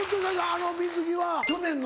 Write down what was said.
あの水着は去年の。